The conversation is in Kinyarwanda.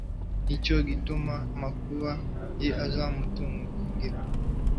Ni cyo gituma amakuba ye azamutungura